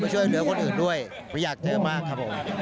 ช่วยเหลือคนอื่นด้วยเพราะอยากเจอมากครับผม